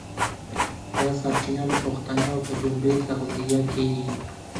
دا سرچینه له پوښتنې او تجربې تغذیه کېږي.